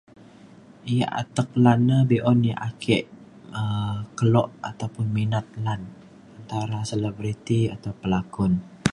yak atek lan ne be’un yak ake um kelo ataupun minat lan antara selebriti atau pelakon